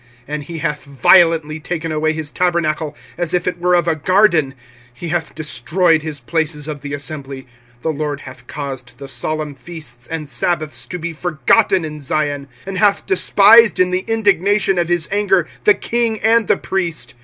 25:002:006 And he hath violently taken away his tabernacle, as if it were of a garden: he hath destroyed his places of the assembly: the LORD hath caused the solemn feasts and sabbaths to be forgotten in Zion, and hath despised in the indignation of his anger the king and the priest.